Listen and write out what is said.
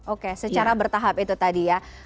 oke secara bertahap itu tadi ya